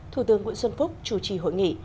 thủ tướng nguyễn xuân phúc chủ trì hội nghị